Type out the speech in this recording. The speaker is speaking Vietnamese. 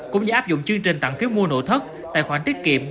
cũng như áp dụng chương trình tặng phiếu mua nội thất tài khoản tiết kiệm